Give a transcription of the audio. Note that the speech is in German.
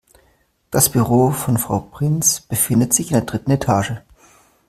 Das Büro von Frau Prinz befindet sich in der dritten Etage.